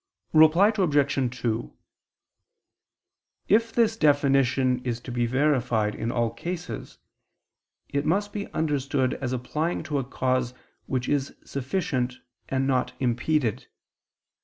Reply Obj. 2: If this definition is to be verified in all cases, it must be understood as applying to a cause which is sufficient and not impeded.